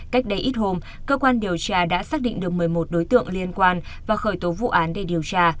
cách đây ít hôm cơ quan điều tra đã xác định được một mươi một đối tượng liên quan và khởi tố vụ án để điều tra